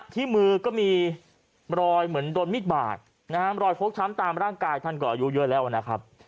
ที่มือก็มีรอยเหมือนโดนมีดบาดนะฮะรอยฟกช้ำตามร่างกายท่านก็อายุเยอะแล้วนะครับ